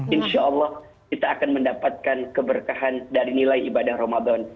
insya allah kita akan mendapatkan keberkahan dari nilai ibadah ramadan